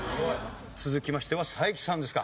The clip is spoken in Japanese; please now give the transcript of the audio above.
続きましては才木さんですか。